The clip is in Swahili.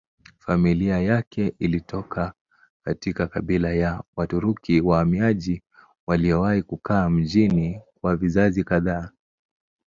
Familia yake ilitoka katika kabila ya Waturuki wahamiaji waliowahi kukaa mjini kwa vizazi kadhaa.